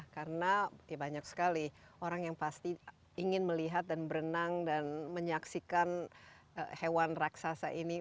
karena ya banyak sekali orang yang pasti ingin melihat dan berenang dan menyaksikan hewan raksasa ini